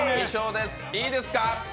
いいですか？